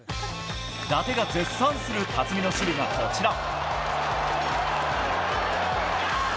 伊達が絶賛する辰己の守備がこちら。